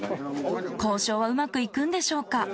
交渉はうまくいくんでしょうか。